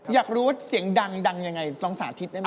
อยากรู้ดังไงสาธิตได้ไหม